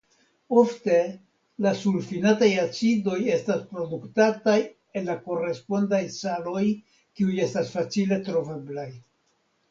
Ofte la sulfinataj acidoj estas produktataj el la korespondaj saloj kiuj estas facile troveblaj.